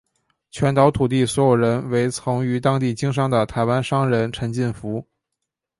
全岛土地所有人为曾于当地经商的台湾商人陈进福。